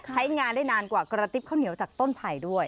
ใช้งานได้นานกว่ากระติบข้าวเหนียวจากต้นไผ่ด้วย